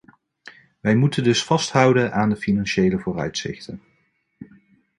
Wij moeten dus vasthouden aan de financiële vooruitzichten.